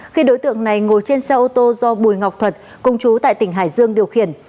khi đối tượng này ngồi trên xe ô tô do bùi ngọc thuật công chú tại tỉnh hải dương điều khiển